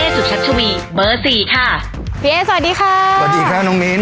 สวัสดีค่ะน้องมิ้น